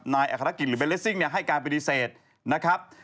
นายอัครกิจหรือเบนเลสซิ่งให้การปฏิเสธนะครับ